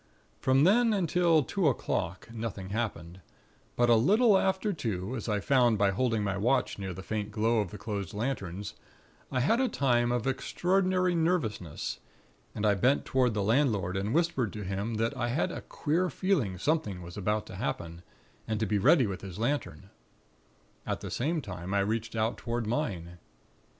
"From then until two o'clock, nothing happened; but a little after two, as I found by holding my watch near the faint glow of the closed lanterns, I had a time of extraordinary nervousness; and I bent toward the landlord, and whispered to him that I had a queer feeling something was about to happen, and to be ready with his lantern; at the same time I reached out toward mine.